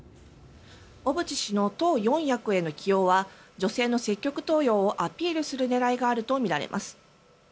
小渕氏の党四役への起用は女性の積極登用をアピールする狙いがあるとみられます。